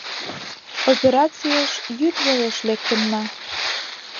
— Операцийыш йӱд велеш лектына.